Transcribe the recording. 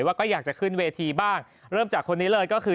ว่าก็อยากจะขึ้นเวทีบ้างเริ่มจากคนนี้เลยก็คือ